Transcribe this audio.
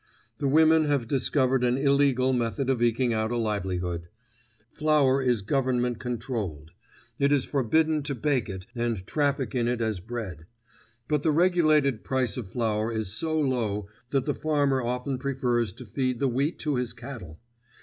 The women have discovered an illegal method of eking out a livelihood. Flour is Government controlled; it is forbidden to bake it and traffic in it as bread. But the regulated price of flour is so low that the farmer often prefers to feed the wheat to his cattle.